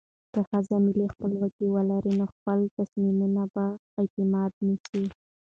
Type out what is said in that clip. که ښځه مالي خپلواکي ولري، نو خپل تصمیمونه په اعتماد نیسي.